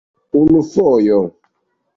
Unu fojo.